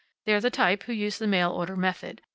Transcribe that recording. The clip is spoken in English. They're the type who use the mail order method.